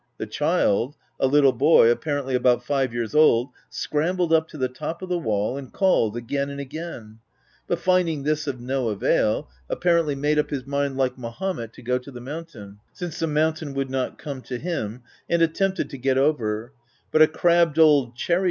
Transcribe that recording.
The child, (a little boy, apparently about five years old,) scrambled up to the top of the wall and called again and again ; but find ing this of no avail, apparently made up his mind, like Mahomet, to go to the mountain since the mountain would not come to him, and attempted to get over 3 but a crabbed old cherry OF WILDFELL HALL.